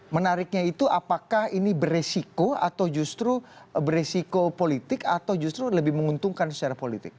menariknya itu apakah ini beresiko atau justru beresiko politik atau justru lebih menguntungkan secara politik